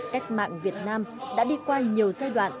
cách mạng việt nam đã đi qua nhiều giai đoạn